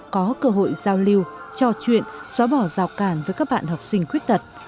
có cơ hội giao lưu trò chuyện xóa bỏ rào cản với các bạn học sinh khuyết tật